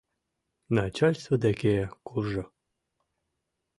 — Начальство деке куржо.